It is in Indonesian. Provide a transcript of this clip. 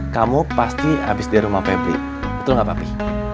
kamu pasti habis dari rumah pebri betul gak papi